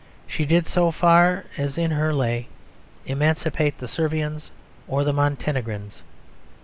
She did, so far as in her lay, emancipate the Servians or the Montenegrins.